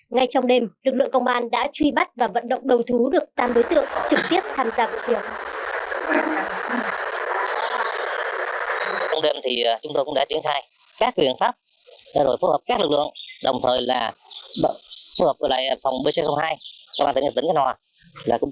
ngay trong đêm lực lượng công an đã truy bắt và vận động đầu thú được ba đối tượng trực tiếp tham gia vận chuyển